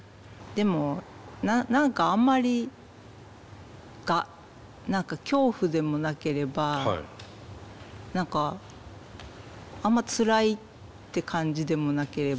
でも何かあんまり恐怖でもなければ何かあんまつらいって感じでもなければ。